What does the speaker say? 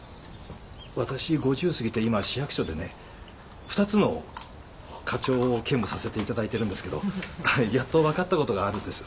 私５０過ぎて今市役所でね２つの課長を兼務させていただいてるんですけど。やっと分かったことがあるんです。